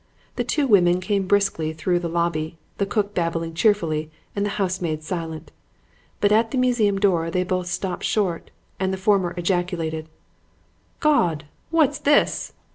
"The two women came briskly through the lobby, the cook babbling cheerfully and the housemaid silent; but at the museum door they both stopped short and the former ejaculated, 'Gawd! what's this?'